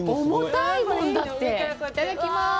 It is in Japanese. いただきます。